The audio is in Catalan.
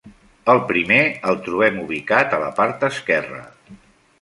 El primer el trobem ubicat a la part esquerra.